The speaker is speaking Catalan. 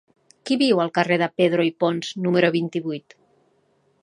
Qui viu al carrer de Pedro i Pons número vint-i-vuit?